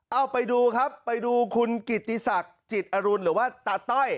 เอาไปดูครับไปดูคุณกิติศักดิ์จิตอรุณหรือว่าตาต้อย